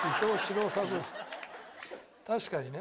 確かにね。